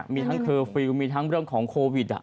มีทั้งเชิงฟืมมีทั้งเรื่องของโควิด